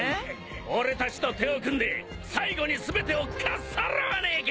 俺たちと手を組んで最後に全てをかっさらわねえか？